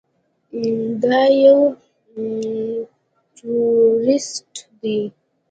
دا يو ټروريست دى.